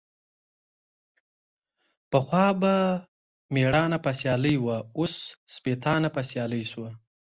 پخوا به ميړانه په سيالي وه ، اوس سپيتانه په سيالي سوه.